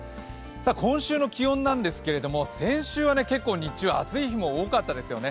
今週の気温なんですけれども、先週は結構日中暑い日も多かったですよね。